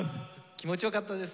気持ちよかったです。